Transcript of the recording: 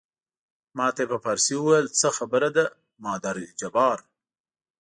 ما ته یې په فارسي وویل څه خبره ده مادر جبار.